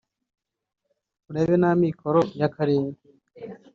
turebe n’amikoro y’akarere